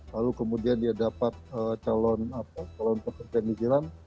lalu kemudian dia dapat calon pekerja migran